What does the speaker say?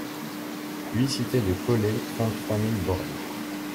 huit cité de Caulet, trente-trois mille Bordeaux